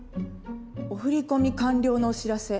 お振り込み完了のお知らせ」